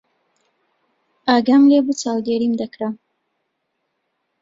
ئاگام لێ بوو چاودێریم دەکرا.